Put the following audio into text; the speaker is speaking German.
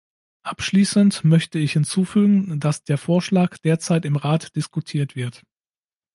Abschließend möchte ich hinzufügen, dass der Vorschlag derzeit im Rat diskutiert wird.